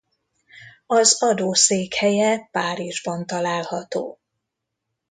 Az adó székhelye Párizsban található.